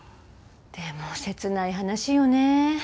でも切ない話よね。